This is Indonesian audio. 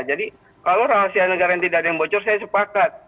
jadi kalau rahasia negara yang tidak ada yang bocor saya sepakat